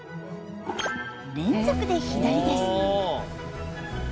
連続で左です！